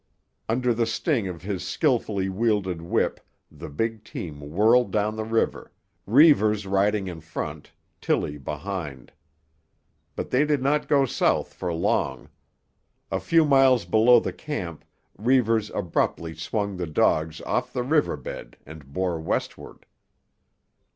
Under the sting of his skilfully wielded whip the big team whirled down the river, Reivers riding in front, Tillie behind. But they did not go south for long. A few miles below the camp Reivers abruptly swung the dogs off the river bed and bore westward.